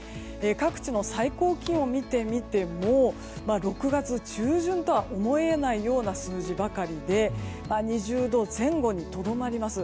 各地の最高気温を見てみても６月中旬とは思えないような数字ばかりで２０度前後にとどまります。